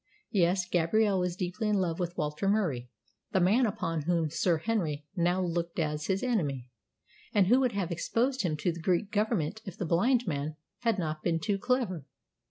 Yes, Gabrielle was deeply in love with Walter Murie the man upon whom Sir Henry now looked as his enemy, and who would have exposed him to the Greek Government if the blind man had not been too clever.